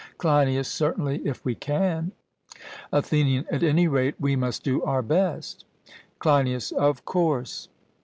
CLEINIAS: Certainly; if we can. ATHENIAN: At any rate, we must do our best. CLEINIAS: Of course.